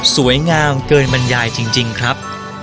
สวยงามเกินบรรยายจริงครับ